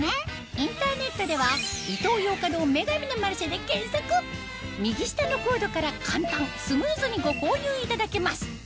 インターネットでは右下のコードから簡単スムーズにご購入いただけます